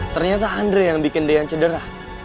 ternyata andre yang bikin dean cedera